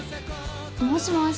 もしもし。